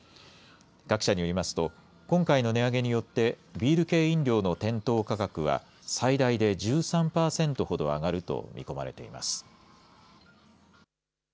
各社によりますと、今回の値上げによって、ビール系飲料の店頭価格は最大で１３％ほど上がると見込まれています。